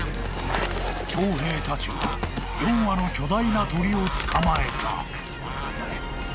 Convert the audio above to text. ［長平たちは４羽の巨大な鳥を捕まえた］